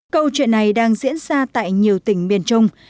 câu chuyện này đang diễn ra tại nhiều tỉnh miền trung